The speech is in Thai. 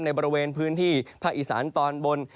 ในบริเวณพื้นที่ภาคอีสานตอนบน